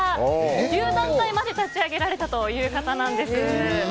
普及団体まで立ち上げられた方なんです。